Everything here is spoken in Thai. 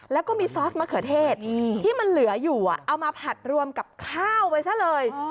แล้วก็มีซอสมะเขือเทศที่มันเหลืออยู่เอามาผัดรวมกับข้าวไปซะเลย